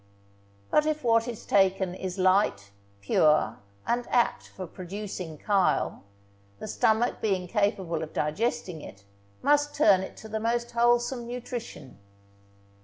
But if what is taken is light, pure, and apt for producing chyle, the stomach being capable of digesting it, must turn it to the most wholesome nutrition.